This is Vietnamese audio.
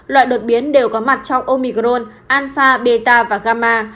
loại đột biến đều có mặt trong omicron alpha beta và gamma